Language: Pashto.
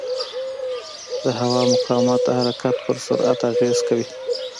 د هوا مقاومت د حرکت پر سرعت اغېز کوي.